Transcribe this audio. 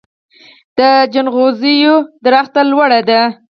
د ځنغوزي ونه لوړه ده